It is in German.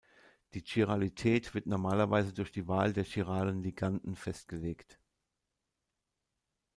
Die Chiralität wird normalerweise durch die Wahl von chiralen Liganden festgelegt.